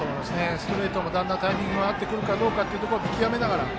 ストレートもだんだんタイミングが合ってくるかどうか見極めながら。